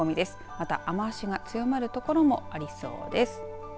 また、雨足が強まる所もありそうです。